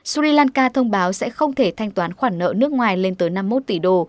sri lanka thông báo sẽ không thể thanh toán khoản nợ nước ngoài lên tới năm mươi một tỷ đô